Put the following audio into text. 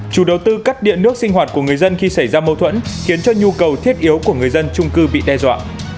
chủ đầu tư cắt điện nước sinh hoạt của người dân khi xảy ra mâu thuẫn khiến cho nhu cầu thiết yếu của người dân trung cư bị đe dọa